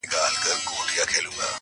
o چي پیدا کړي لږ ثروت بس هوایې سي,